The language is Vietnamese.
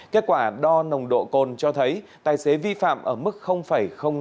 kết quả đo nồng độ cồn cho thấy tài xế vi phạm ở mức năm mươi sáu mg trên một lít khí thở